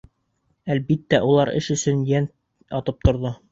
Әлбиттә, улар эш өсөн йән атып торҙо.